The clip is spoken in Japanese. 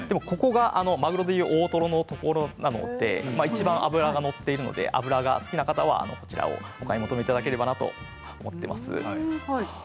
マグロでいう大トロなのでいちばん脂が乗っていて脂が好きな方はこちらをお買い求めいただければなと思っています。